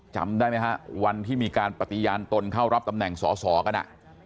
จำได้ไหมฮะวันที่มีการปฏิญาณตนเข้ารับตำแหน่งสอสอกัน